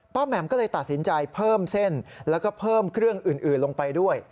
แหม่มก็เลยตัดสินใจเพิ่มเส้นแล้วก็เพิ่มเครื่องอื่นลงไปด้วย